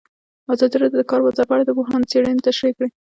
ازادي راډیو د د کار بازار په اړه د پوهانو څېړنې تشریح کړې.